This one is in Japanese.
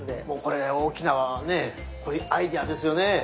もうこれ大きなねアイデアですよね。